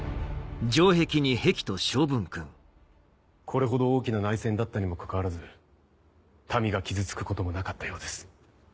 これほど大きな内戦だったにもかかわらず民が傷つくこともなかったようです。